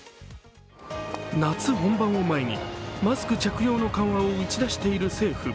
夏本番を前に、マスク着用の緩和を打ち出している政府。